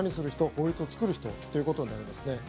法律を作る人ということになりますね。